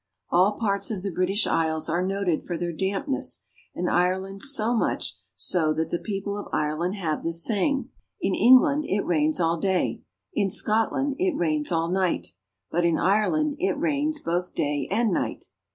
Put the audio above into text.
All parts of the, 1 6 IRELAND. British Isles are noted for their dampness, and Ireland so much so that the people of Ireland have this saying, " In England, it rains all day ; in Scotland, it rains all night ; but in Ireland, it rains both day and night."